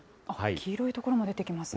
黄色い所も出てきますね。